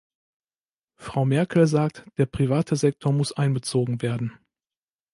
Frau Merkel sagt, der private Sektor muss einbezogen werden.